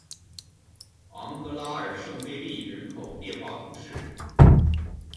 昂格拉尔圣费利人口变化图示